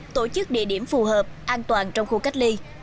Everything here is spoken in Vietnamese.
tổ chức địa điểm phù hợp an toàn trong khu cách ly